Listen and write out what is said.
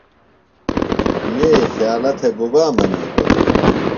ییئ خیالہ تھےۡ گُبا منیتوۡ؟